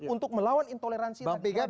untuk melawan intoleransi dan radikalisme